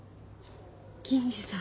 銀次さん。